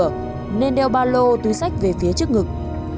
trong trường hợp không để vừa nên đeo ba lô túi sách về phía trước ngực